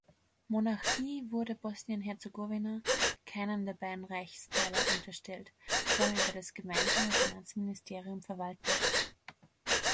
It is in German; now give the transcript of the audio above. Monarchie wurde Bosnien-Herzegowina keinem der beiden Reichsteile unterstellt, sondern über das gemeinsame Finanzministerium verwaltet.